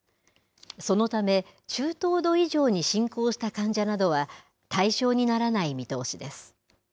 そのため、中等度以上に進行した患者などは対象にならない見通しです。